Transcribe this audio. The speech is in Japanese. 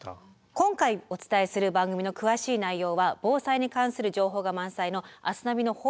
今回お伝えする番組の詳しい内容は防災に関する情報が満載の「明日ナビ」のホームページでも公開中です。